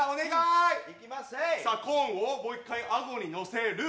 コーンをもう一回、あごにのせる。